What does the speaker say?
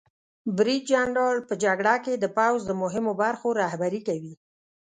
برید جنرال په جګړه کې د پوځ د مهمو برخو رهبري کوي.